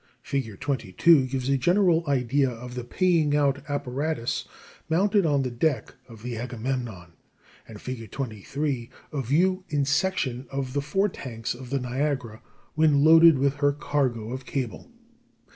Fig. 22 gives a general idea of the paying out apparatus mounted on the deck of the Agamemnon, and Fig. 23 a view in section of the fore tanks of the Niagara when loaded with her cargo of cable.